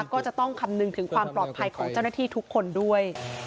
ก็จะต้องคำนึงถึงความปลอดภัยของเจ้าหน้าที่ทุกคนด้วย